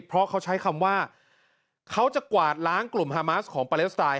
เพราะเขาใช้คำว่าเขาจะกวาดล้างกลุ่มฮามาสของปาเลสไตน